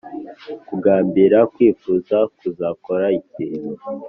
kugambirira: kwifuza kuzakora ikintu